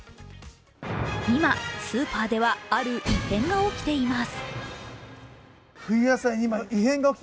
今、スーパーではある異変が起きています。